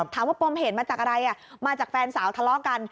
ปมเหตุมาจากอะไรมาจากแฟนสาวทะเลาะกัน